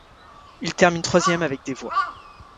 Il termine troisième avec des voix.